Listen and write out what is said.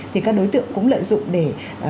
thì các đối tượng cũng lợi dụng để